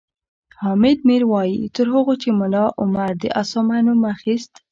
حامد میر وایي تر هغو چې ملا عمر د اسامه نوم اخیست